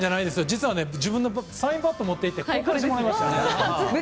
実は自分のサインバット持っていって交換してもらいました。